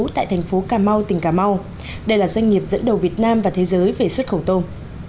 tại thành phố cà mau tỉnh cà mau đây là doanh nghiệp dẫn đầu việt nam và thế giới về xuất khẩu tôm